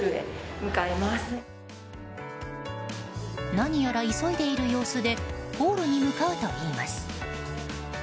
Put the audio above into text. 何やら急いでいる様子でホールに向かうといいます。